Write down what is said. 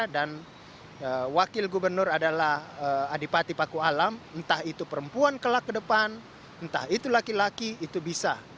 dan wakil gubernur adalah adipati paku alam entah itu perempuan kelak ke depan entah itu laki laki itu bisa